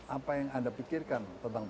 apa yang anda pikirkan tentang